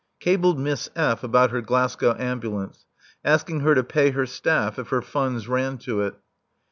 Cabled Miss F. about her Glasgow ambulance, asking her to pay her staff if her funds ran to it.